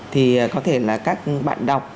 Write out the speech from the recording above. thì có thể là các bạn đọc